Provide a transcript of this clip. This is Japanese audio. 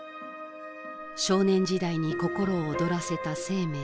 少年時代に心を躍らせた生命。